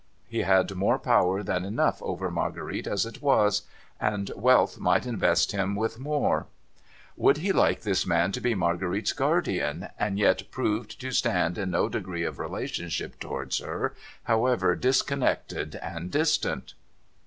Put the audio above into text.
He had more power than enough over Marguerite as it was, and wealth might invest him with more. OBENREIZER PROFFERS ADVICE 541 Would he like this man to be Marguerite's Guardian, and yet proved to stand in no degree of relationship towards her, however discon nected and distant?